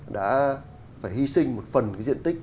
đã phải hy sinh một phần diện tích